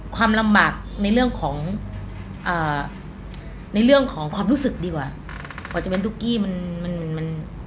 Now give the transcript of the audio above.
ความลำบากในเรื่องของในเรื่องของความรู้สึกดีกว่ากว่าจะเป็นตุ๊กกี้มันมัน